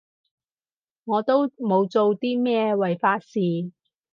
我都冇做啲咩違法事